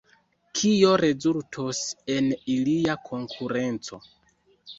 Kio rezultos el ilia konkurenco?